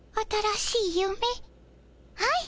はい。